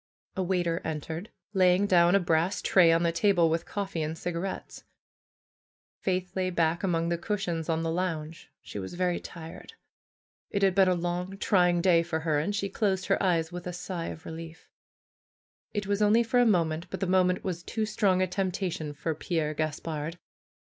A waiter entered, laying down a brass tray on the table with coffee and cigarettes. Faith lay back among the cushions on the lounge. She was very tired. It had been a long, trying day for her, and she closed her eyes with a sigh of relief. It was only for a moment, but the moment was too strong a temptation for Pierre Gaspard.